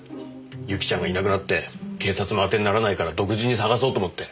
ユキちゃんがいなくなって警察も当てにならないから独自に捜そうと思って。